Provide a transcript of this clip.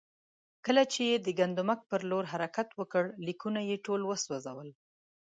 کله یې د ګندمک پر لور حرکت وکړ، لیکونه یې ټول وسوځول.